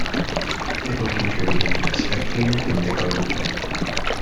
Tickell contributed to "The Spectator" and "The Guardian".